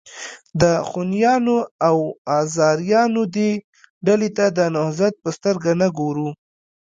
د خونیانو او آزاریانو دې ډلې ته د نهضت په سترګه نه ګورو.